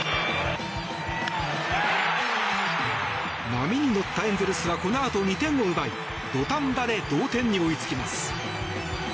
波に乗ったエンゼルスはこのあと２点を奪い土壇場で同点に追いつきます。